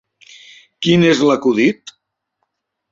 Quin és l'acudit?